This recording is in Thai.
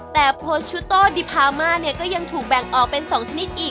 แต่โพชุโต้ดิพามาเนี่ยก็ยังถูกแบ่งออกเป็น๒ชนิดอีก